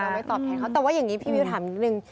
เราไม่ตอบแทนเขาแต่ว่าอย่างนี้พี่วิวถามอีกหนึ่ง